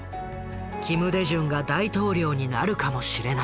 金大中が大統領になるかもしれない。